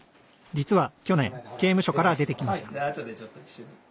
実は去年刑務所から出てきました。